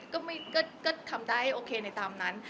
ก็ทำได้โอเคในตามนั้น